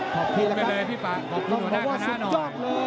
ขอบคุณไปเลยพี่ป๊าขอบคุณหัวหน้าขนาดหน้าหน่อย